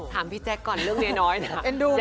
ถามพี่แจ๊กก่อนเรื่องเมียน้อยนะ